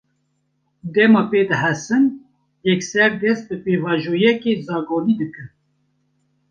Dema pê dihesin, yekser dest bi pêvajoyeke zagonî dikin